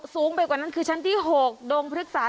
สูงไปกว่านั้นคือชั้นที่๖ดงพฤกษา